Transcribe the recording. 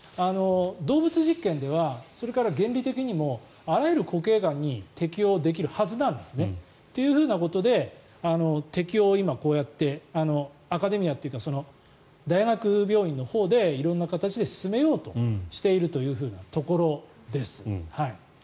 動物実験ではそれから原理的にもあらゆる固形がんに適用できるはずなんですね。ということで適用を今、こうやってアカデミアというか大学病院のほうで色んな形で進めようとしているところです。